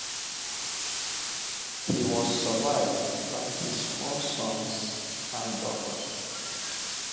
He was survived by his four sons and daughter.